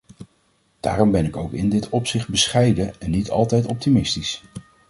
Daarom ben ik ook in dit opzicht bescheiden en niet altijd optimistisch.